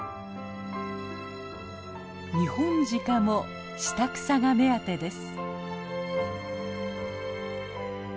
ニホンジカも下草が目当てです。